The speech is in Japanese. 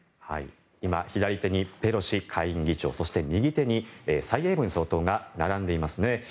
今、左手にペロシ下院議長そして右手に蔡英文総統が並んでいますね。